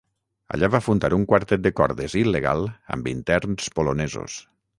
Allà va fundar un quartet de cordes il·legal amb interns polonesos.